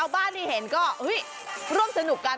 บ้านที่เห็นก็ร่วมสนุกกัน